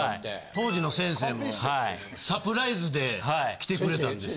当時の先生もサプライズで来てくれたんです。